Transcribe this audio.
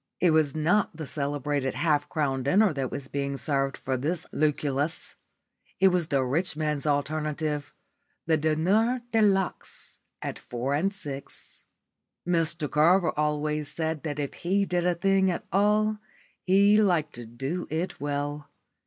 It was not the celebrated half crown dinner that was being served for this Lucullus; it was the rich man's alternative the diner de luxe at four and six. Mr Carver always said that if he did a thing at all he liked to do it well.